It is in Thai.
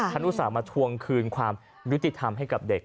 นุสาวมาทวงคืนความยุติธรรมให้กับเด็ก